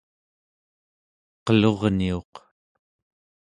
qelurniuq